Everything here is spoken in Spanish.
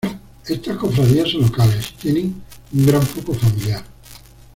Estas cofradías son locales y tienen un gran foco familiar.